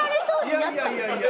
いやいやいやいや。